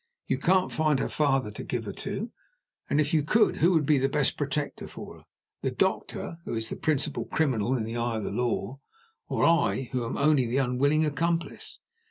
You can't find her father to give her to; and, if you could, who would be the best protector for her? The doctor, who is the principal criminal in the eye of the law, or I, who am only the unwilling accomplice?